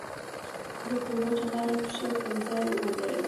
زه پر وچه غاړه پښه پر ځای ودرېدم.